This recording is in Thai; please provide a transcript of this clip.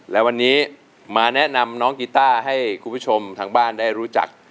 และวันนี้มาแนะนำน้องกีต้าให้คุณผู้ชมทางบ้านได้รู้จัก